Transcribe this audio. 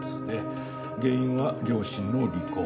原因は両親の離婚。